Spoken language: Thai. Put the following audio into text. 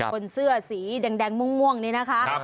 คนเสื้อสีแดงม่วงนี่นะคะ